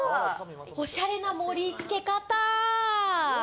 おしゃれな盛り付け方！